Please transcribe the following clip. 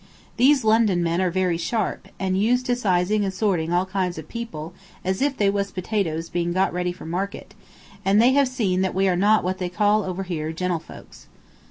These London men are very sharp, and used to sizing and sorting all kinds of people as if they was potatoes being got ready for market, and they have seen that we are not what they call over here gentlefolks."